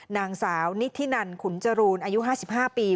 นางสาวนิธินันขุนจรูนอายุ๕๕ปี